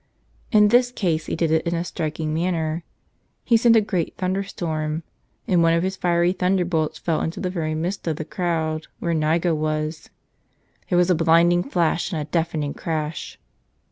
In this case He did it in a striking manner. He sent a great thunderstorm. And one of His fiery thunderbolts fell into the very midst of the crowd where Niga was. There was a blinding flash and a deafening crash.